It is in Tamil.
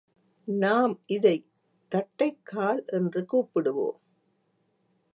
நாம் இதைத் தட்டைக் கால் என்று கூப்பிடுவோம்.